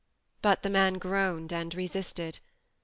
But the man groaned and resisted.